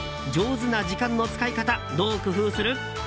上手な時間の使い方どう工夫する？